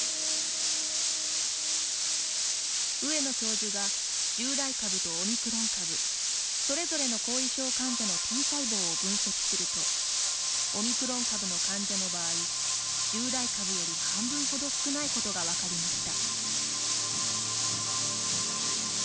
上野教授が従来株とオミクロン株それぞれの後遺症患者のＴ細胞を分析するとオミクロン株の患者の場合従来株より半分ほど少ないことが分かりました。